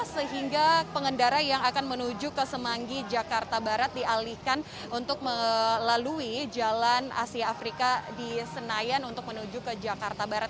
sehingga pengendara yang akan menuju ke semanggi jakarta barat dialihkan untuk melalui jalan asia afrika di senayan untuk menuju ke jakarta barat